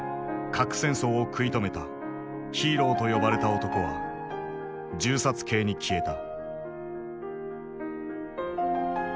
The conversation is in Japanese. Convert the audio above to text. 核戦争を食い止めた「ヒーロー」と呼ばれた男は銃殺刑に消えた。